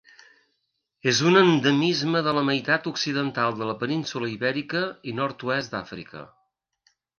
És un endemisme de la meitat occidental de la península Ibèrica i nord-oest d'Àfrica.